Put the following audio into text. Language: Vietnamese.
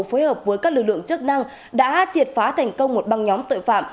phối hợp với các lực lượng chức năng đã triệt phá thành công một băng nhóm tội phạm